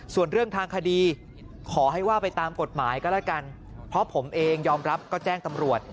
ส่วนเรื่องทางคดีขอให้ว่าไปตามกฎหมายก็แล้วกันเพราะผมเองยอมรับก็แจ้งตำรวจ